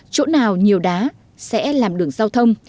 chỗ nào nhiều đá sẽ làm đường giao thông